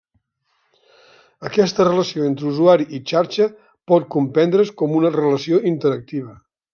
Aquesta relació entre usuari i xarxa pot comprendre's com una relació interactiva.